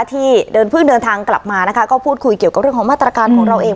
ที่เดินเพิ่งเดินทางกลับมานะคะก็พูดคุยเกี่ยวกับเรื่องของมาตรการของเราเอง